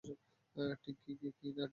ঠিক কি না?